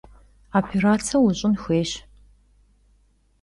Vopêratse vuş'ın xuêyş.